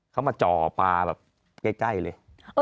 เขามาจ่อปลาแบบใกล้เลย